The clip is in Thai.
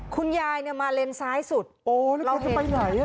คุณยายมาเล่นซ้ายสุดแล้วเธอจะไปไหนแล้ว